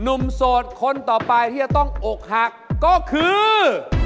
โสดคนต่อไปที่จะต้องอกหักก็คือ